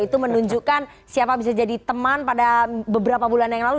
itu menunjukkan siapa bisa jadi teman pada beberapa bulan yang lalu